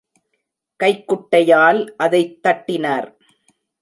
கைக்குட்டையால் அதைத் தட்டினார்.